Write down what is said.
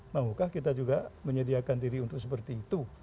maukah kita juga menyediakan diri untuk seperti itu